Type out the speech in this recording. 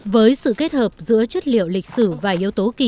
với sự kết hợp giữa chất liệu lịch sử và yếu tố kỳ